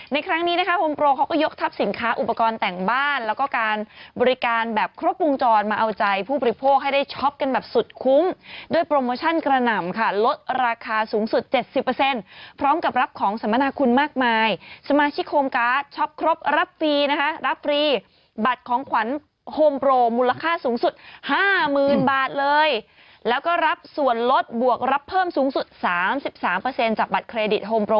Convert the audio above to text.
ในครั้งนี้นะคะโฮมโปรเขาก็ยกทับสินค้าอุปกรณ์แต่งบ้านแล้วก็การบริการแบบครบวงจรมาเอาใจผู้ปริโภคให้ได้ช็อปกันแบบสุดคุ้มด้วยโปรโมชั่นกระหน่ำค่ะลดราคาสูงสุด๗๐พร้อมกับรับของสมนาคุณมากมายสมาชิกโฮมการ์ดช็อปครบรับฟรีนะคะรับฟรีบัตรของขวัญโฮมโปรมูลค่าสูงสุด